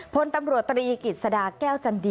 พลตำรวจตรีกิจสดาแก้วจันดี